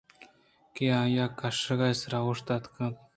کہ آئی ءِ کشک ءِ سرا اوشتاتگ ات